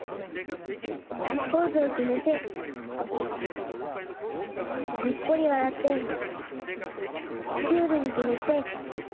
ポーズをきめてにっこりわらってクールにきめて。